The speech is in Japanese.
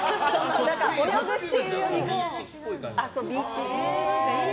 泳ぐっていうよりも遊び。